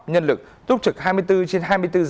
nhân lực túc trực hai mươi bốn trên hai mươi bốn giờ